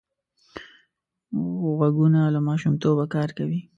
غوږونه له ماشومتوبه کار کوي